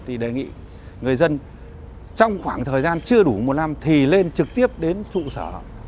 thì đề nghị người dân trong khoảng thời gian chưa đủ một năm thì lên trực tiếp đến trụ sở